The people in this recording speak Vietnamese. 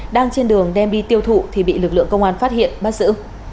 đang trên đường đem đi tiêu thụ thì bị lực lượng công an phát hiện bắt giữ